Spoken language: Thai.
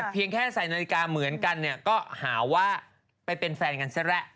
เพียงแค่ใส่นาฬิกาเหมือนกันเนี่ยก็หาว่าไปเป็นแฟนกันซะแล้ว